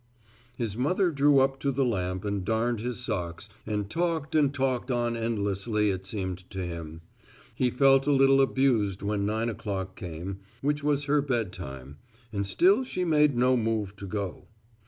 His mother drew up to the lamp and darned his socks and talked and talked on endlessly it seemed to him. He felt a little abused when nine o'clock came, which was her bed time, and still she made no move to go.